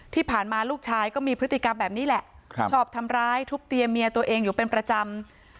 ที่ผ่านมาลูกชายก็มีพฤติกรรมแบบนี้แหละชอบทำร้ายทุบเตียเมียตัวเองอยู่เป็นประจำ